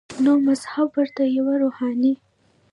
نو مذهب ورته یوه روحاني